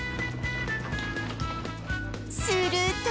すると